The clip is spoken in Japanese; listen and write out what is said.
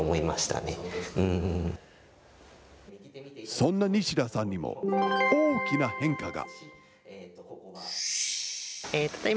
そんな西田さんにも、大きな変化が。